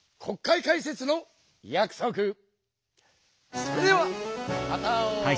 それではまた会おう！